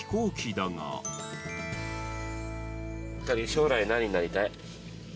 ２人、将来、何になりたい？